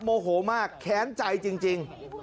โมโหมากแค้นใจจริง